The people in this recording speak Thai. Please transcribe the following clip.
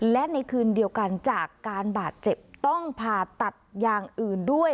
และในคืนเดียวกันจากการบาดเจ็บต้องผ่าตัดอย่างอื่นด้วย